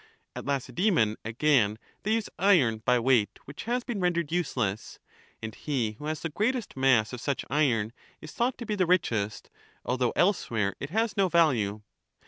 At Lacedaemon, again, they use iron by weight which has been rendered useless : and he who has the greatest mass of such iron is thought to be the richest, although elsewhere it has no value.